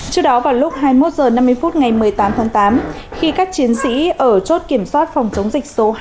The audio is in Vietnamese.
trước đó vào lúc hai mươi một h năm mươi phút ngày một mươi tám tháng tám khi các chiến sĩ ở chốt kiểm soát phòng chống dịch số hai